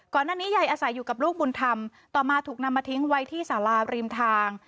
ยายอาศัยอยู่กับลูกบุญธรรมต่อมาถูกนำมาทิ้งไว้ที่สาราริมทาง